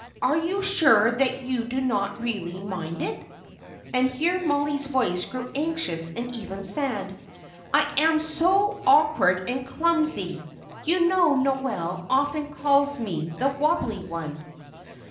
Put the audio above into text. Are you sure that you do not really mind it?" and here Mollie's voice grew anxious and even sad. "I am so awkward and clumsy. You know Noel often calls me 'the wobbly one.'"